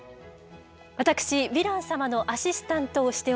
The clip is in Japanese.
私ヴィラン様のアシスタントをしております